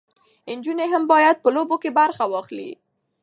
نجونې هم باید په لوبو کې برخه واخلي.